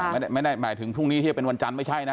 ไม่ได้หมายถึงพรุ่งนี้ที่จะเป็นวันจันทร์ไม่ใช่นะ